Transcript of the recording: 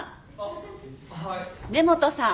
根本さん。